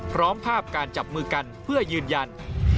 พร้อมภาพการจับมือกันเพื่อยืนยัน